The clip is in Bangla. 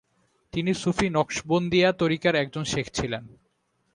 তিনি সুফি নকশবন্দিয়া তরিকার একজন শেখ ছিলেন।